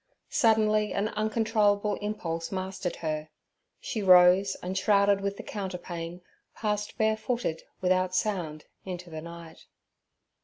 Suddenly, an uncontrollable impulse mastered her; she rose and, shrouded with the counterpane, passed barefooted, without sound, into the night.